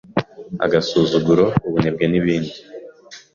agasuzuguro, ubunebwe n’ibindi.